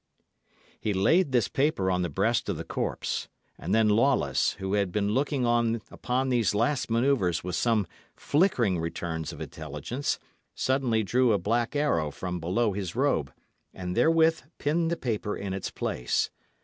He laid this paper on the breast of the corpse; and then Lawless, who had been looking on upon these last manoeuvres with some flickering returns of intelligence, suddenly drew a black arrow from below his robe, and therewith pinned the paper in its place.